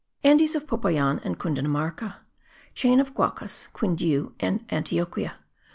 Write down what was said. Andes of Popayan and Cundinamarca. Chain of Guacas, Quindiu, and Antioquia.